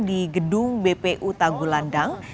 di gedung bpu tagulandang